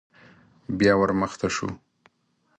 بيا ور مخته شو.